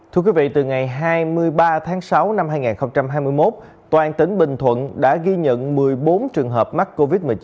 thưa quý vị từ ngày hai mươi ba tháng sáu năm hai nghìn hai mươi một toàn tỉnh bình thuận đã ghi nhận một mươi bốn trường hợp mắc covid một mươi chín